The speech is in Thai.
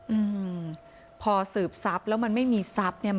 อืมพอสืบทรัพย์แล้วมันไม่มีทรัพย์เนี้ย